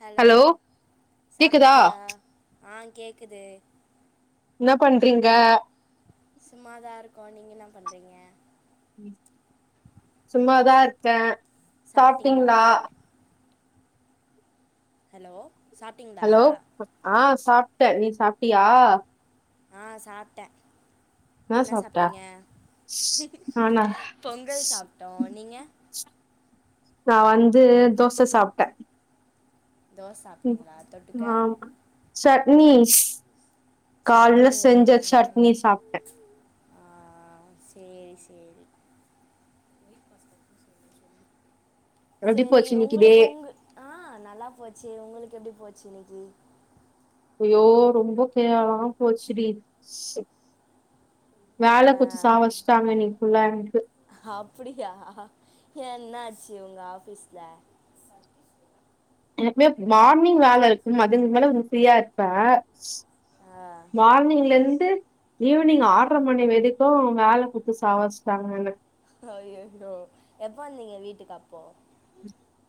Hello கேக்குதா சாப்டிங்ளா ஆ கேட்குது என்னா பண்றீங்க சும்மா தா இருக்கோ நீங்க என்ன பண்றீங்க சும்மா தா இருக்கே சாப்பிட்டீங்களா சாப்டிங்ளா ஹலோ சாப்டிங்ளா ஹலோ ஆ சாப்ட நீ சாப்டியா ஆ சாப்ட என்ன சாப்டீங்க நானா பொங்கல் சாப்டோ நீங்க நா வந்து தோச சாப்ட தோசை சாப்பிட்டீங்களா தொட்டுக்க ஆ சட்னிஸ் கால்ல சட்னியா செஞ்ச சட்னி சாப்ட ஆ ஆ சேரி சேரி எப்டி செரி போச்சு இன்னைக்கு டே உங்களுக்கு உங்க ஆ நல்லா போச்சு உங்களுக்கு எப்டி போச்சு இன்னைக்கி ஐயோ ரொம்ப கேவலமா போச்சுடி ஆ, வேல குத்து சாவடிஸ்டாங்க இன்னிக் ஃபுல்ல எனக்கு அப்புடியா ஏ என்ன ஆச்சு உங்க ஆபீஸ்ல எப்மே மார்னிங் வேல இருக்கு மதின்கு மேல வ ஃப்ரீயா இருப்ப ஆ மார்னிங்ல இருந்து ஈவினிங் ஆர்ற மணி வரிக்கு வேல குத்து சாவச்சிட்டாங்க எனக்கு ஐயையோ எப்ப வந்தீங்க வீட்டுக்கு அப்போ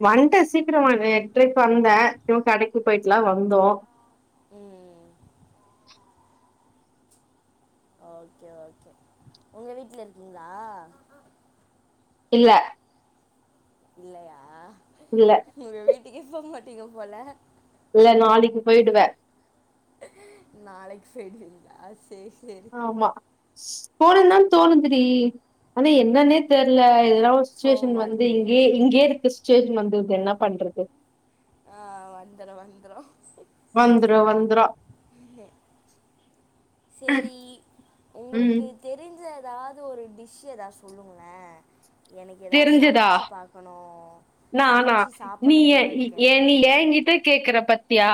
வண்ட்ட சீக்கிரமவே எட்றைக் வந்த சோ கடைக்கு போயிட்டுலா வந்தோ ம் ம் ஓகே ஓகே உங்க வீட்ல இருக்கிங்ளா இல்ல இல்லையா இல்ல உங்க வீட்டுக்கே போ மாட்டீங்க போல இல்ல நாளைக்கு போய்டுவே நாளைக்கு போய்டுவீங்ளா சேர் சேர் ஆமா போனுன்தா தோணுது டி ஆனா என்னென்னே தெர்ல இதெல்லா ஒர் போக சுச்சுவேஷன் வந்து மாட்டீங்க இங்கயே இங்கயே இருக்க சுச்சுவேஷன் வந்துருது என்ன பண்றது ஆ வந்துரு வந்துரு வந்துரு வந்துரா [unintelligible] சேரி ம் ஒங்களுக்கு தெரிஞ்ச ஏதாவது ஒரு டிஷ் ஏதாவது சொல்லுங்களே எனக்கு ஏதா சமச்சு பாக்கணு ந நா நீ ஏ ஏ நீ ஏங்கிட்ட கேக்குற பத்தியா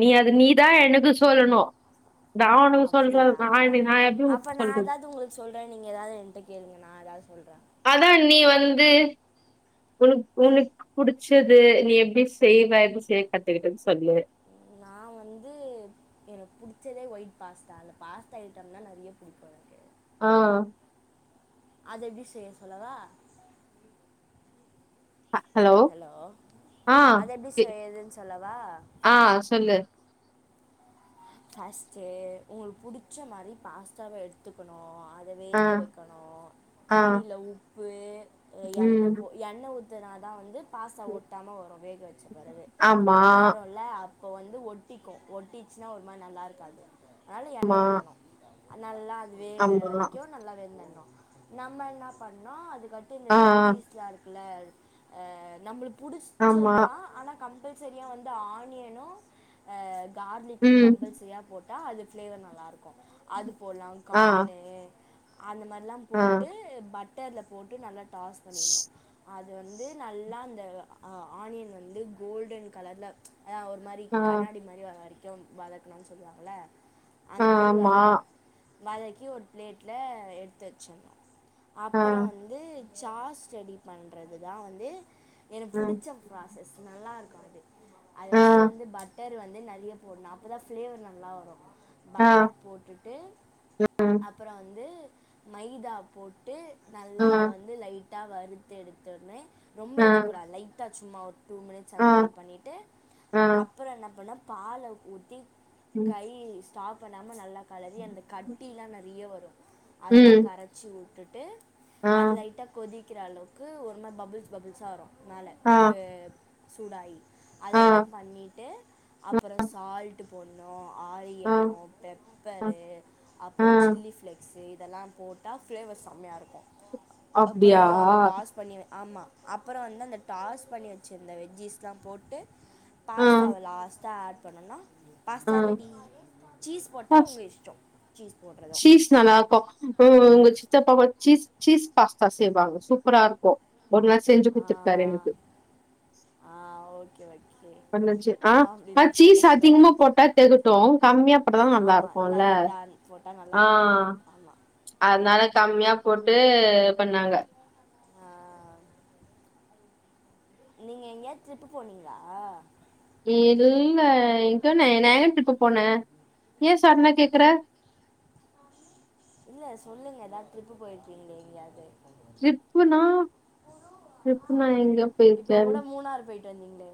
நீ அது நீதா எனக்கு சொல்லணு நா ஒனக்கு சொல்றது அப்படியா நா என்ன நா எப்புயு உனக் சொல்றது சொல்றே நீங்க எதாவது என்ட்ட கேளுங்க நா ஏதாவது சொல்றே அதா நீ வந்து உனக் உனக்கு புடிச்சது நீ எப்டி செய்வ எப்ப செய்ய கத்துக்கிட்டன்னு சொல்லு நா வந்து எனக்கு புடுச்சதே ஒயிட் பாஸ்தா அந்த பாஸ்தா ஐட்டம்னா நெறய புடிக்கு என ஆ அது எப்டி செய்ய சொல்லவா ஹலோ ஆ அது எப்டி கே செய்யதுன்னு சொல்லவா ஆ சொல்லு ஃபஸ்ட்டு உங்களுக்கு புடிச்ச மாரி பாஸ்தாவ எடுத்துக்கணு த ஆ வேக வெக்கணு ஆ தண்ணில உப்பு எண்ண போ ம். எண்ண ஊத்துனா தா வந்து பாஸ்தா ஒட்டாம வரு வேக வெச்ச பெறகு ஆமா, ஆருல அ இப்போ வந்து ஒட்டிக்கு ஒட்டிச்சினா ஒரு மாரி நல்லாருக்காது அனால ஆமா, எண்ண ஊத்தணு நல்லா அது வேகுற ஆமா. வரைக்கு நல்லா வெந்துர்ணு நம்ம என்னா பண்ணு அதுக் காட்டு இந்த ஆ வெஜ்ஜிஸ்லா இருக்குல ஆ நம்ளுக்கு ஆமா. புடிச்சத் தா ஆனா கம்பல் சரியா வந்து ஆனியனு ஆ கார்லிக்கு ம். கம்பல் சரியா போட் டா அது ஃப்ளேவர் நல்லாருக்கு அது போட்லா ஆ கானு அந்த மாரி லா ஆ போட்டு பட்டர்ல போட்டு நல்லா டாஸ் பண்ணிட்ணு ஸ்- அது வந்து நல்லா அந்த அ ஆனியன் வந்து கோல்டன் கலர்ல ஆ ஒரு மாரி ஆ கண்ணாடி மாரி வர வரைக்கு வதக்ணுனு சொல்வாங்ள அந்த மாரி ஆமா. வதக்கணு வதக்கி ஒரு ப்ளேட்ல எடுத்து வச்சுனு ஆ அப்றோ வந்து சாஸ் ரெடி பண்றது தா வந்து எனக்கு ம். புடிச்ச ப்ராசஸ் நல்லா இருக்கு அது அது ஆ ஃபஸ்ட்டு வந்து பட்டர் வந்து நெறைய போட்ணு அப்போதா ஃபிளேவர் நல்லா வரு ஆ பட்டர் போட்டுட்டு ம். அ அப்ற வந்து மைதா போட்டு ஆ நல்லா அத வந்து லைட் டா வறுத்தெடுத்தோனே ரொம்ப ஆ எடுக்கூடா லைட்டா சும்மா ஒரு டூ மினிட் ஸ் ஆ அந்த மாரி பண்ணிட்டு ஆ அப்றோ என்ன பண்ணே பால ஊத்தி ம். கையி ஸ்டாப் பண்ணாம நல்லா கலறி அந்த கட்டிலா நெறைய வரு அதெல்லா ம். கர ச்சு வுட்டுட்டு ஆ அது லைட்டா கொதிக்கிற அளவுக்கு ஒரு மாரி பபுள்ஸ் பபுள்ஸா வரு னால ஆ வே சூடாயி அது ஆ வரைக்கு பண்ணிட்டு அப்றோ சால் ட்டு போட்ணு ஆ ஆரியனோ ஆ பெப்பரு ஆ அப்றோ சில்லி ஃப்ளே க்ஸ் இதெல்லா போட்டா ஃப்ளேவர் செம்மயா இருக்கு அப்றோ அப்டியா அந்த ஆ டாஸ் பண்ணி ஆமா அப்பறோ வந்து அந்த டாஸ் பண்ணி வச்சிருந்த வெஜ்ஜிஸ்லா போட்டு ஆ பாஸ்தாவ லாஸ் டா ஆட் பண்ணோனா பாஸ்தா ரெடி சீஸ் போட்டா ஆ ஒங்க இஷ்டோ சீஸ் போட்றது சீஸ் நல்லா இருக்கு ம் ஒங்க சித்தப்பாவா சீஸ் சீஸ் பாஸ்தா செய்வாங்க சூப்பராருக்கு ஒரு நாள் செஞ்சு ஆ குட்த்துருக்காரு எனக்கு ஆ ஓகே ஓகே பண்ணுச்சு ஆ ஆ அப்படிலா சீஸ் சொல்லக்கூடாது அதிகமா போட்டா தெகட்டு கம்மியா போட்டதா நல்லாருக்குல்ல இ டான் போட்டா நல்லாருக்கு ஆமா அதனால கம்மியா போட்டு பண்ணாங்க ஆ நீங்க எங்கயாது ட்ரிப்பு போனீங்ளா இல்ல இப்பென்ன நா ஏ ட்ரிப்பு போன ஏ சடனா கேக்குற இல்ல சொல்லுங்க ஏதாது ட்ரிப்பு போய்ருக்கீங்ளே எங்யாது ட்ரிப்புனா ட்ரிப் நா எங்க போய்ருக்கே தெர்லிங்ளே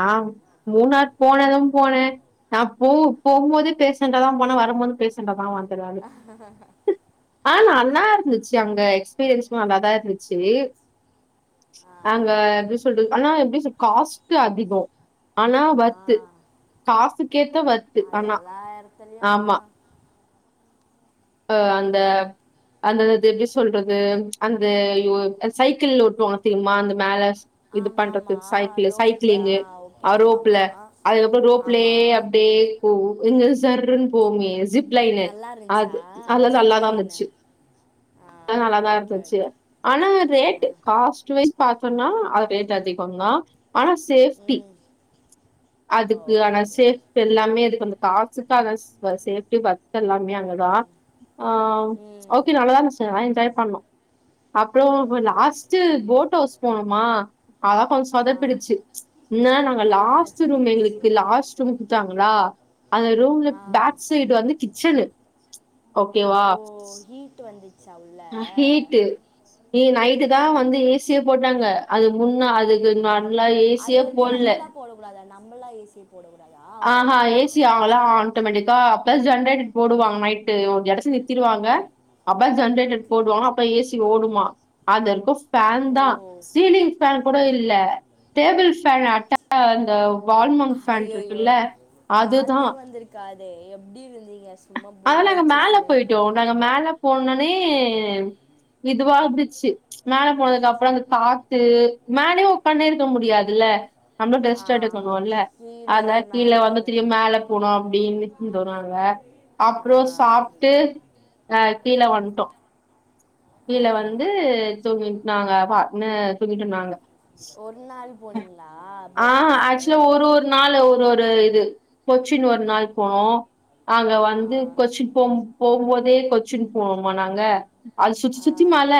ஆம் மூணாறு போனது போன நா போ போமோதே பேசண்டா தா போன வரபோது பே சண்டா தா வந்தே நானு ஆ‌ நல்லா இருந்துச்சு அங்க எக்ஸ்பிரியன்ஸு நல்லா தா இருந்துச்சி ஆ அங்க எப்டி சொல்றது ஆனா எப்டி சொ காஸ்ட்டு அதிகோ ஆனா ஆ வர்த்து காசுக்கேத்த வர்த்து ஆ ஆனா எல்லா இடத்துலயும் ஆமா அப்படிதான் அ அந்த ம் அந்தந்த இது எப்டி சொல்றது அந்த ஐயோ சைக்கிள் ஓட்டுவாங்க தெரியுமா அந்த மேல இது ஆமா பண்றது ஆமா சைக்கிளு ரோப் ஆ சைக்கிளிங்கு ஓகே அ ரோப்ல ஆமாமா அதுக்கப்றோ ஆமா ரோப்லயே அப்டியே போவு இங்க இருந்து சர்ன்னு போவுமே ஜிப் லைனு நல்லா இருந்துச்சா அது அதெல்லா நல்லாதா ஜிப்லைனு இருந்துச்சு ஆ நல்லாதா ஓகே இருந்துச்சி ஓகே ஆனா ஆ ரேட்டு காஸ்ட் வைஸ் பாத்தோனா அது ரேட் அதிகோ தா ஆனா சேஃப்டி ம் அதுக்கு ஆனா ஓகே சேஃப் எல்லாமே அதுக்கு வந்து காசுக்காக வ சேப்டி வர்த் எல்லாமே அங்கதா ம் ஆ ம் ஓகே நல்ல தா இருந்துச்சி நா என்ஜாய் பண்ணோ அப்றோ okay okay last boat house போனமா அதா கொஞ்ச ஆ சொதப்பிடுச்சி என்ன நாங்க என்ன லாஸ்ட் ரூம் சொதுப்புச்சு எங்ளுக்கு லாஸ் சுமிப்பிட்டாங்ளா அந்த ரூம்ல ஆ பேக் சைடு வந்து கிச்சனு ஓ ஹீட் வந்து அ ஹீட்டு நீ நைட்டு தா வந்து ஏசியே போட்டாங்க அது முன்னா அதுக்கு நல்லா ஏசியே போல்ல போடக்கூடாத நம்மல்லா ஏசிய போடக்க கூடாதா அவுங்களே தா போடுவாங்ளா டோமேட்டிக்கா பிளஸ் ஜென்ரேட் போடுவாங்க நைட்டு ஒரு எடசு நித்திருவாங்க அப்ப ஜென்ரேட்டர் போடுவாங்ளா அப்ப ஏசி ஓடுமா அதுருக்கு ஃபேன் ஓ தா சீலிங் ஃபேன் கூட இல்ல டேபிள் ஃபேன் அட்ட அந்த வால்மங் ஃபேன்ட்ருக் யோ காத்தே வந்திருக்காதே எப்டி இருந்தீங்க சும்மா அதெல்லா போர் நாங்க மேல அடிச்சிருக்குமே போய்ட்டோ நாங்க மேல போனோனே இதுவா இருந்துச்சி மேல போனதுக்கு அப்றோ அந்த காத்து மேலியு ஒக்கான்னே இருக்க முடியாதில்ல நம்ளு ஆ ரெஸ்டு எடுக்கனு இல்ல கீழே அதா கீழ மேலே வந்து அந்த திரும் மாதிரி மேல போனு அப்டினு இருந்தோ நாங்க அப்றோ ஆ சாப்ட்டு அ கீழ வந்ட்டோ ஆ, கீழ வந்து தூங்குவிங் நாங்க பாட்னு தூங்கிட்டோ நாங்க ஒரு நாள் போனீங்ளா ஆ போட் ஹவுஸு ஆக்சுவலா ஒரு ஒரு நாள் ஒரு ஒரு இது கொச்சின் ஒரு நாள் போனோ அங்க ஆ வந்து கொச்சின் போ போகுபோதே கொச்சின் போனமா நாங்க அது சுத்தி ஆ, சுத்தி மல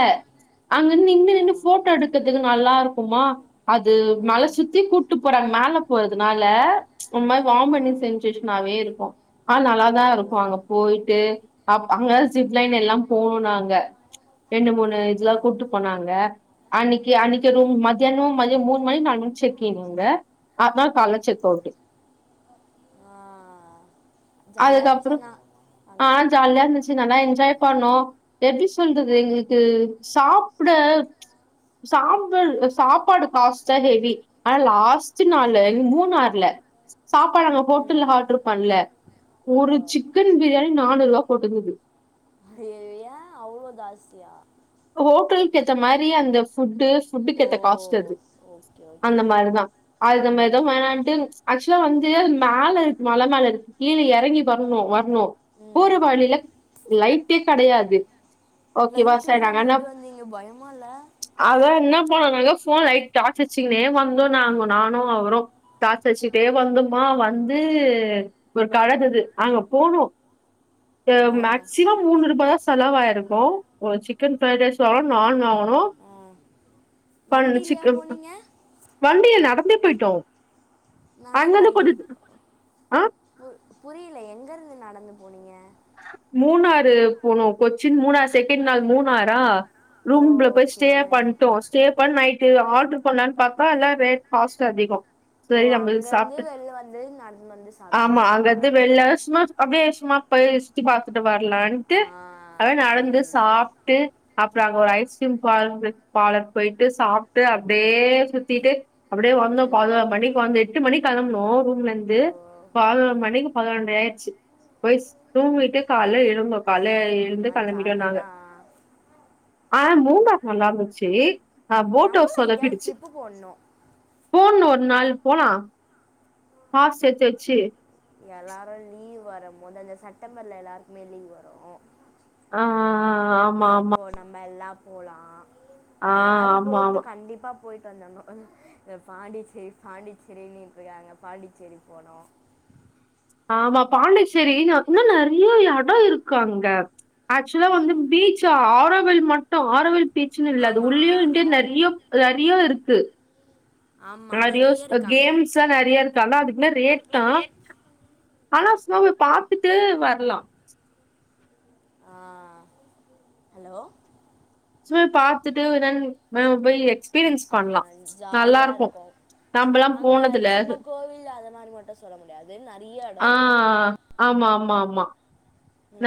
அங்க நின்னு ஆ, நின்னு போட்டோ எடுக்றதுக்கு நல்லாருக்குமா அது ஆ, மல சுத்தி கூட்டு போறாங் மேல போறதுனால ஒ மாரி ஆ, வாம்மிடிங் சென் சேசனாவே இருக்கு ஆ ஓ நல்லாதா இருக்கு அங்க போயிட்டு அப் அங்க ஜிப் லைன் எல்லா போனோ நாங்க ரெண்டு மூணு இதெல்லா ஆ, கூட்டு போனாங்க அன்னிக்கு அன்னிக்கு ரூம் மத்யானோ மூணு மணி நாலு மணிக் செக்கிங் அங்க அட்த நாள் கால்ல செக் அவுட்டு ஆ ஜாலிய இருந்துச்சு அதுக்கப்புறம் ஆனா ஆ அங்க ஜாலியா இருந்துச்சு நல்லா என்ஜாய் பண்ணோ எப்டி சொல்றது எங்களுக்கு சாப்பிட சாம்பல் சாப்பாடு காஸ்டா ஹெவி ஆனா லாஸ்ட் நாள மூணாரு சாப்பாடு அங்க ஹோட்டல்ல ம் ஆடரு பண்ல ஓ ஒரு சிக்கன் பிரியாணி நானூறுபா போட்டுருந்தது ஐய்யையோ ஏ அவ்ளோ ஜாஸ்தியா ஹோட்டலுக்கு ஏத்த மாரி அந்த ஃபுட்டுஸ் ஃபுட்டுக்கு ஓ ஏத்த காஸ்ட் அது ஓகே ஓகே அந்த மாரிதா அது மாரிதா ம் வேணன்ட்டு ஆக்சுலா வந்து மேல இருக்கு மழ மேல இருக்கு கீழ எறங்கி வரணு வரணு போற ம் வழியில லைட்டே கெடையாது ஓகே வா த இல்லாம எப்டி வந்தீங்க பயமால்ல அதா என்ன பண்ணோ நாங்க ஃபோன் லைட் டார்ச் வச்சுங்கனே வந்தோ நாங்க நானு அவரு டார்ச்சடுச்சுகிட்டே வந்தோமா வந்து ஒரு கழதுது அங்க போனோ அ ஆ மேக்சிமம் மூணு ரூபா தா செலவாயிருக்கு சி சிக்கன் ஃப்ரைட் ரைஸ் வாங்கணு நான் வாங்கணோ ஆ ப வண்டியிலையா சிக் போனீங்க வண்டிய நடந்தே போயிட்டோ நடந்தா அங்கருந்து எ கொஞ்ச ஆ பு புரியல எங்க இருந்து நடந்து போனீங்க மூணாறு போனோ கொ சின் மூணாரு செகண்ட் நாள் மூணாறா ரூம்ல போய் ஓகே ஸ்டே பன் டோ ஸ்டே பண் நைட்டு ஆர்டர் பண்ணலானு பாத்தா எல்லா ரேட் காஸ்ட் அதிகோ ஓ செரி நம்ம அங்கேருந்து சாப்பிட் வெளில வந்து நடந்து வந்து ஆமா சாப்பிட்டீங்களா அங்கது வெள்ள சுமா அப்டியே சும்மா போய் சுத்தி பாத்துட்டு வரலான்ட்டு ஆ அத நடந்து சரி சரி சாப்ட்டு அப்றோ அங்க ஒரு ஐஸ்கிரீம் பார் பாலர் போயிட்டு சாப்ட்டு அப்டியே சுத்திட்டு அப்டியே வந்தோ பதொனொரு ம், மணிக்கு வந்த எட்டு மணிக்கு கெளம்புனோ ரூம்லருந்து ஓ பதினொரு மணிக்கு பதினொண்டரை ஆயிடுச்சு போய் தூங்கிட்டு கால எழுந்தோ கால எழுந்து செம்ம கெளம்பிட்டோ ஜாலி நாங்க தான் ஆனா மூணாறு நல்லாந்துச்சு ஆ போட் ஹவுஸ் நம்மளும் எங்கேயாவது சொதப்பிடுச்சு ட்ரிப்பு போடணும் போணு ஒரு நாள் போலா காஸ் சேத்து வச்சு எல்லாரு லீவ் வரு போது அந்த செப்டம்பர்ல எல்லாருக்குமே லீவ் வரு ஆ ஆ ஆ அப்போ நம்ம எல்லாம் போலா ஆ ஏதாவது ஆமா போட்டு ஆமா கண்டிப்பா போய்ட்டு வந்தரணு பாண்டிச்சேரி பாண்டிச்சேரின்னுட்டு இருக்காங்க பாண்டிச்சேரி போணு ஆமா பாண்டிச்சேரில இன்னு நெறைய எடோ இருக்கு அங்க ஆக்சுவலா ஆ, வந்து பீச்ச ஆரவல் மட்டு ஆரவல் பீச்சன்னு இல்ல அது ஆமா உள்ளயுண்டு ஆறு நெறைய நெறையா இருக்கு ஆமா நெறையோஸ் நிறைய அ இருக்காங்க கேம்ஸ்ல நெறைய இருக்கு ஆனா அதுகெல்லா ரேட் தா அதுக்குலாம் ரேட் ஆனா சும்மா போய் பாத்துட்டு வரலா ஆ ஹலோ சும்மே பாத்துட்டு என்னனு அ போய் எக்ஸ் ஆ ஜாலியா இருக்கு நம்பலாம் அங்க போனதில்ல. சும்மா கோவில அத மாரி மட்டு சொல்ல முடியாது நெறைய எடோ ஆ. இருக்கு ஆமா ஆமா ஆமா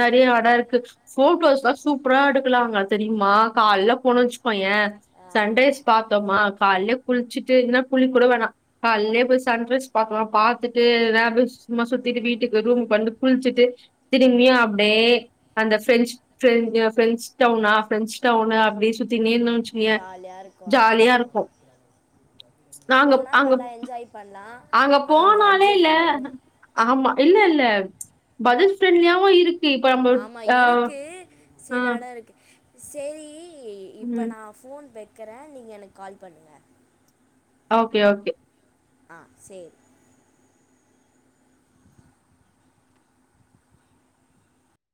நெறைய எடா இருக்கு போட்டோஸ் எல்லா சூப்பரா எடுக்கலா அங்க தெரியுமா காலில போனு வச்சுக்கோயே ஆ சன்ரைஸ் பாத்தோமா காலையயே குளிச்சிட்டு இல்ன்னா குளிக் கூட வேணா காலைலியே போய் சன்ரைஷ் பாக்கலாம் பாத்துட்டு நேர சும்மா சுத்திட்டு வீட்டுக்கு ரூமுக்கு வந்து குளிச்சுட்டு இங்கையு அப்டியே அந்த பிரெஞ்ச் பிரெ பிரெஞ்ச் டவுனா ப்ரெஞ்ச் டவுனு அப்டியே சுத்திகினே இருந்த வச்சுக்கவே ஜாலியாக இருக்கும் ஆனால் ஜாலியா இருக்கு நாங்க போனால் அங்க நல்லா என்ஜாய் பண்ணலாம் அங்க ஆனால் போனாலே இல்ல பட்ஜெட் ஆகும் ஆமா இல்ல இல்ல பஜட் ஃப்ரெண்ட்லியாவு இருக்கு இப்ப நம்ம ஆமா ஆ இருக்கு ஆ சிலட இருக்கு சேரி இப்ப ம் நா ஃபோன் வைக்கிறே நீங்க எனக்கு கால் பண்ணுங்க ஓகே ஓகே ஆ சேர்